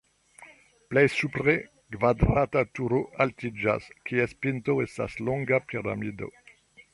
Plej supre kvadrata turo altiĝas, kies pinto estas longa piramido.